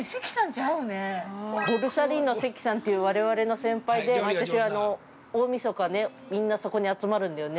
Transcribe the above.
◆ボルサリーノ関さんという我々の先輩で、毎年大みそかね、みんなそこに集まるんだよね。